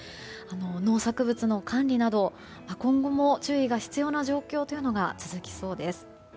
農作物の管理など、今後も注意が必要な状況というのが続きそうです。